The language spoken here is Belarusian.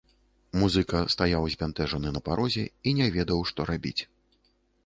Музыка стаяў збянтэжаны на парозе і не ведаў, што рабіць.